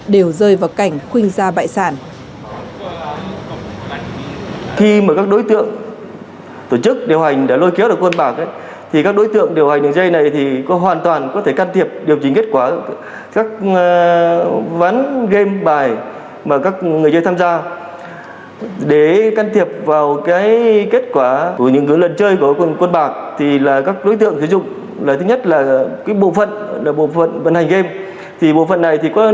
đều rơi vào cảnh khuyên gia bại sản